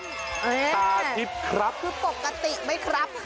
ตาทิฟครับคือปกติไม่ครับ